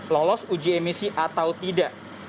lolos uji emisi atau tidak